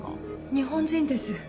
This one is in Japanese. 日本人です